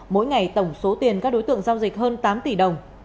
mỗi ngày tổng số tiền các đối tượng giao dịch hơn tám tỷ đồng